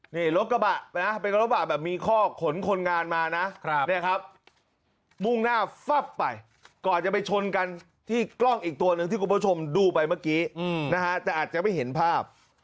นี่ลดกระบะนะมีข้อขนคนงานมานะมูงหน้าฟับไปก่อนจะไปชนกันที่กล้องอีกตัวเลยที่คุณผู้ชมดูไปเมื่อกี้แต่อาจจะไม่เห็นภาพ